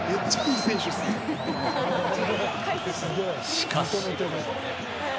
しかし。